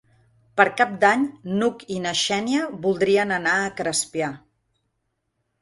Per Cap d'Any n'Hug i na Xènia voldrien anar a Crespià.